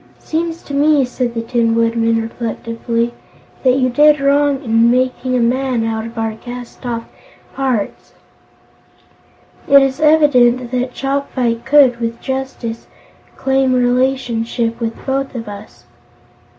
"It seems to me," said the Tin Woodman reflectively, "that you did wrong in making a man out of our cast off parts. It is evident that Chopfyt could, with justice, claim relationship with both of us."